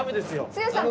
剛さん